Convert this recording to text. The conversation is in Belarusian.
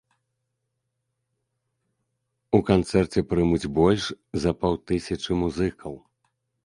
У канцэрце прымуць больш за паўтысячы музыкаў.